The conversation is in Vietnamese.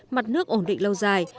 mặt nước ổn định lâu dài